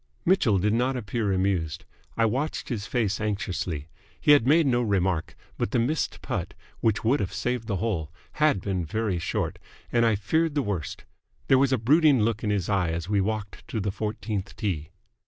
'" Mitchell did not appear amused. I watched his face anxiously. He had made no remark, but the missed putt which would have saved the hole had been very short, and I feared the worst. There was a brooding look in his eye as we walked to the fourteenth tee.